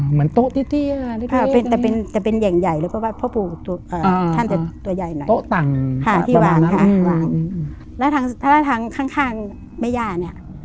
เหมือนโต๊ะที่ค่ะแต่เป็นแต่เป็นแต่เป็นแห่งใหญ่แล้วก็ว่าพ่อปู่อ่าท่านจะตัวใหญ่หน่อยโต๊ะต่างค่ะที่วางค่ะอืมแล้วทางทางข้างแม่ย่าเนี้ย